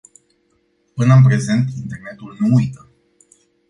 Până în prezent, internetul nu uită.